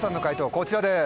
こちらです。